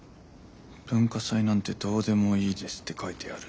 文化祭なんてどうでもいいですって書いてある。